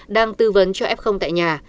đang tư vấn cho f tại nhà